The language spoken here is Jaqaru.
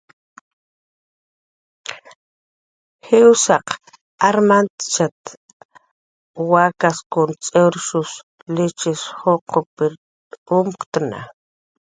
Jiwsaq armantachw wakaskun t'iwrshusan lichis juqupkir umt'ktna